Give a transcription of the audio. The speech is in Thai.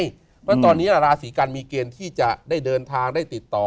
เพราะตอนนี้ราศีกันมีเกณฑ์ที่จะได้เดินทางได้ติดต่อ